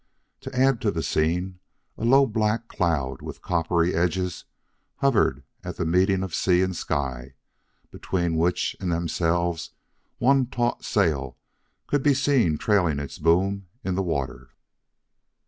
To add to the scene, a low black cloud with coppery edges hovered at the meeting of sea and sky, between which and themselves one taut sail could be seen trailing its boom in the water.